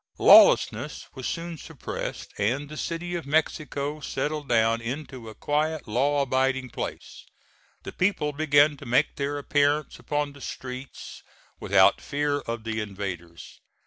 Lawlessness was soon suppressed, and the City of Mexico settled down into a quiet, law abiding place. The people began to make their appearance upon the streets without fear of the invaders.